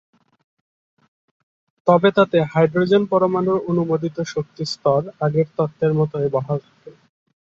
তবে তাতে হাইড্রোজেন পরমাণুর অনুমোদিত শক্তি স্তর আগের তত্ত্বের মতোই বহাল থাকে।